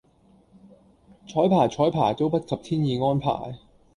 綵排綵排都不及天意安排